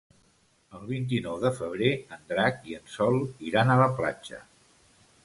El vint-i-nou de febrer en Drac i en Sol iran a la platja.